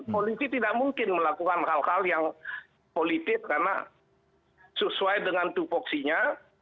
polisi tidak mungkin melakukan hal hal yang politik karena sesuai dengan tupoksinya